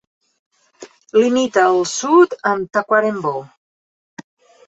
Limita al sud amb Tacuarembó.